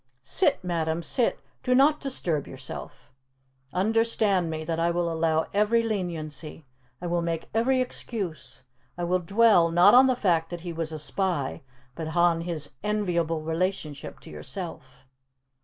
"Sit, madam, sit. Do not disturb yourself! Understand me, that I will allow every leniency. I will make every excuse! I will dwell, not on the fact that he was a spy, but on his enviable relationship to yourself."